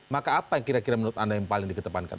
maka apa yang kira kira menurut anda yang paling dikedepankan